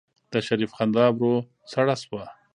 د شريف خندا ورو سړه شوه.